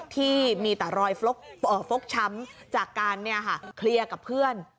ที่มีแต่รอยเอ่อโฟกช้ำจากการเนี่ยค่ะเคลียร์กับเพื่อน